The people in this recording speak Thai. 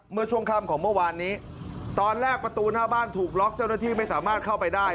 เมื่อช่วงค่ำของเมื่อวานนี้ตอนแรกประตูหน้าบ้านถูกล็อกเจ้าหน้าที่ไม่สามารถเข้าไปได้